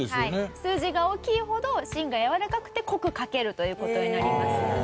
数字が大きいほど芯が柔らかくて濃く書けるという事になりますよね。